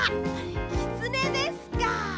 きつねですか。